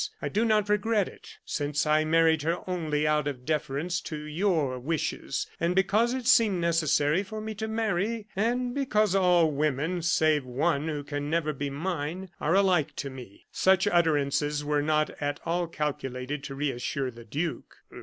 I do not regret it, since I married her only out of deference to your wishes, and because it seemed necessary for me to marry, and because all women, save one who can never be mine, are alike to me." Such utterances were not at all calculated to reassure the duke.